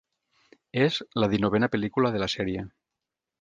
És la dinovena pel·lícula de la sèrie.